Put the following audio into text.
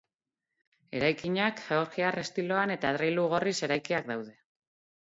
Eraikinak Georgiar estiloan eta adreilu gorriz eraikiak daude.